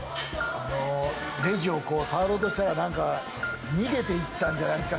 レジを触ろうとしたら何か逃げていったんじゃないですか？